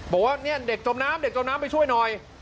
บอกว่าเนี่ยเด็กจมน้ำเด็กจมน้ำไปช่วยหน่อย